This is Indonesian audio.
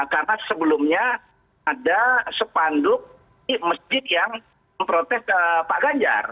karena sebelumnya ada spanduk di masjid yang memprotes pak ganjar